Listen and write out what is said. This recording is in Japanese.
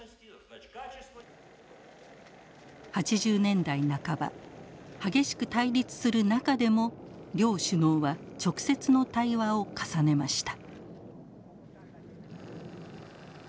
８０年代半ば激しく対立する中でも両首脳は直接の対話を重ねました。